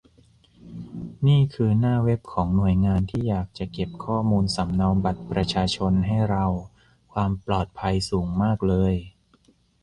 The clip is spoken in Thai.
นี่คือหน้าเวบของหน่วยงานที่อยากจะเก็บข้อมูลสำเนาบัตรประชาชนให้เรา ความปลอดภัยสูงมากเลย